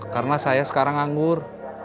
karena saya sekarang anggur